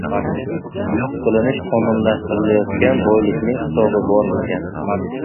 yo‘q qilinish qonunlashtirayotgan boylikning hisobi bormikan?